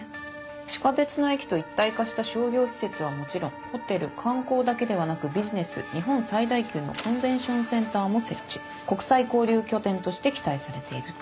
地下鉄の駅と一体化した商業施設はもちろんホテル観光だけではなくビジネス日本最大級のコンベンションセンターも設置国際交流拠点として期待されているって。